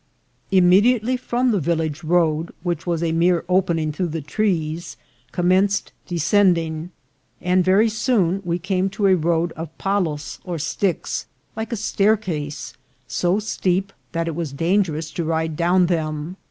Immediately from the village the road, which was a mere opening through the trees, commenced descend ing, and very soon we came to a road of palos or sticks, like a staircase, so steep that it was dangerous to ride down them.